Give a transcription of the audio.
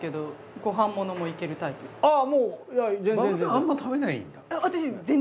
あんま食べないんだっけ？